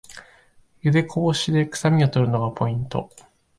ゆでこぼしでくさみを取るのがポイント